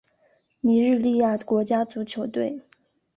尼日利亚国家足球队